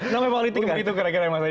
namanya politik begitu kira kira masa ini